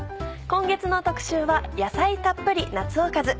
今月の特集は「野菜たっぷり夏おかず」。